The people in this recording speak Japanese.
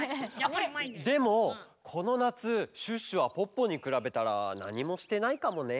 でもこのなつシュッシュはポッポにくらべたらなにもしてないかもね。